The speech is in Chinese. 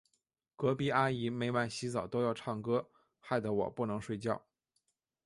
隔壁阿姨每晚洗澡都要唱歌，害得我不能睡觉。